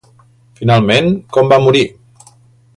Finalment, com va morir?